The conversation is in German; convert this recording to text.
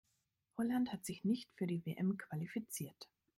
Holland hat sich nicht für die WM qualifiziert.